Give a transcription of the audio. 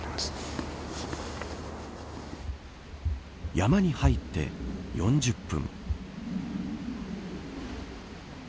山に入って４０分。